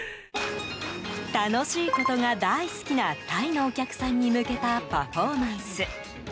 楽しいことが大好きなタイのお客さんに向けたパフォーマンス。